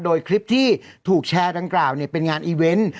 โดยคลิปที่ถูกแชร์ดังกล่าวเป็นงานอีเวนต์